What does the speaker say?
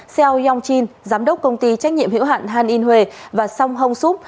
seo yong jin giám đốc công ty trách nhiệm hiểu hạn hàn yên huệ và song hong sup